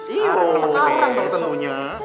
iyuhh oke tentunya